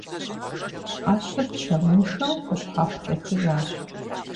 Ӏэщыр чэмыншэу къущхьэхъу къехыжащ.